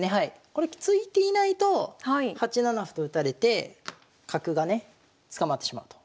これ突いていないと８七歩と打たれて角がね捕まってしまうと。